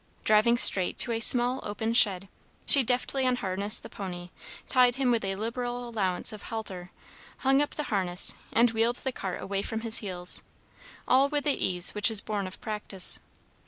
Driving straight to a small open shed, she deftly unharnessed the pony, tied him with a liberal allowance of halter, hung up the harness, and wheeled the cart away from his heels, all with the ease which is born of practice.